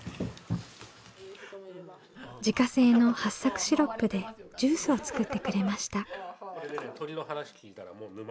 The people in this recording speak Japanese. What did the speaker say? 自家製のはっさくシロップでジュースを作ってくれました。